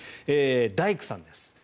大工さんです。